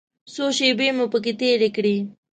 څو شېبې مو پکې تېرې کړې.